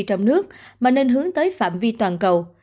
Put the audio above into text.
trong nước mà nên hướng tới phạm vi toàn cầu